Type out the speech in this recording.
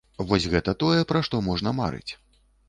Вось гэта тое, пра што можна марыць.